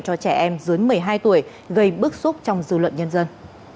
cho trẻ em dưới một mươi hai tuổi gây bức xúc trong dư luận nhân dân